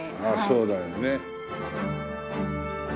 ああそうだよね。